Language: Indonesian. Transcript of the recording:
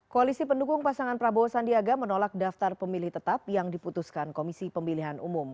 koalisi pendukung pasangan prabowo sandiaga menolak daftar pemilih tetap yang diputuskan komisi pemilihan umum